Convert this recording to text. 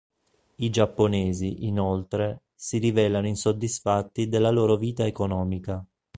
I giapponesi, inoltre, si rivelano insoddisfatti della loro vita economica.